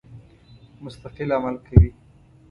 مستقل عمل کوي.